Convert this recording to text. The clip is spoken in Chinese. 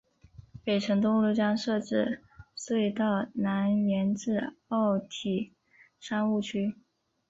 北辰东路将设置隧道南延至奥体商务区。